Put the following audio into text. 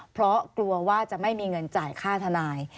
เพราะกลัวว่าจะไม่มีเงินจ่ายค่าทนาย